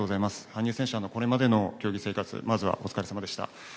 羽生選手、これまでの競技生活、お疲れさまでした。